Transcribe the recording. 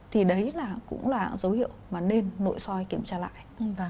thì đấy là cũng là dấu hiệu mà nên nội soi kiểm tra lại